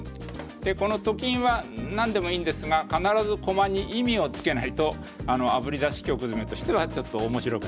でこのと金は何でもいいんですが必ず駒に意味をつけないとあぶり出し曲詰としてはちょっと面白くない。